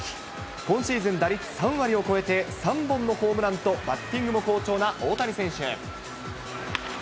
今シーズン打率３割を超えて、３本のホームランとバッティングも好調な大谷選手。